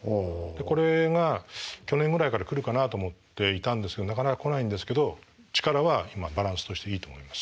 これが去年ぐらいから来るかなと思っていたんですけどなかなか来ないんですけど力は今バランスとしていいと思います。